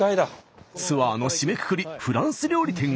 ツアーの締めくくりフランス料理店へ。